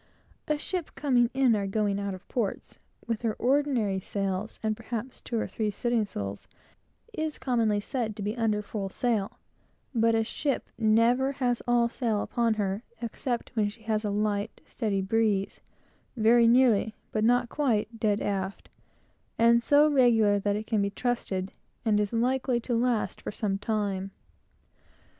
A ship coming in or going out of port, with her ordinary sails, and perhaps two of three studding sails, is commonly said to be under full sail; but a ship never has all her sail upon her, except when she has a light, steady breeze, very nearly, but not quite, dead aft, and so regular that it can be trusted, and is likely to last for some time.